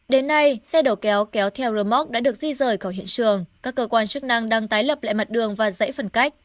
đến nay xe đầu kéo kéo theo rơ móc đã được di rời khỏi hiện trường các cơ quan chức năng đang tái lập lại mặt đường và giải phân cách